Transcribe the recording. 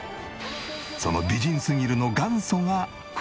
その美人すぎるの元祖が藤川様。